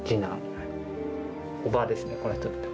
おばですね、この人にとっては。